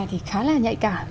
thì khá là nhạy cả